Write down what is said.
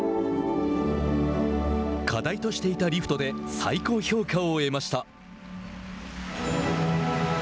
課題としていたリフトで最高評価を得ました。